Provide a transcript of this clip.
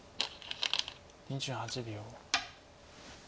２８秒。